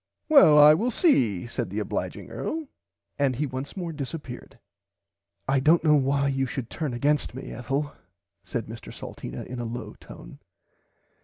Well I will see said the obliging earl and he once more disapeared. I dont know why you should turn against me Ethel said Mr Salteena in a low tone.